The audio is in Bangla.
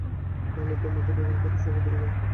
তাহলে উত্তর মাঠের বেগুন-ক্ষেতে চৌকি দেবে কে?